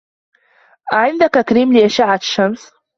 أعندك كريم لأشعة الشمس؟